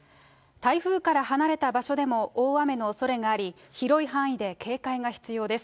台風から離れた場所でも大雨のおそれがあり、広い範囲で警戒が必要です。